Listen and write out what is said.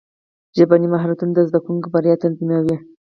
ژبني مهارتونه د زدهکوونکو بریا تضمینوي.